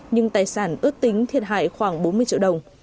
nhưng tài sản ước tính thiệt hại khoảng bốn mươi triệu đồng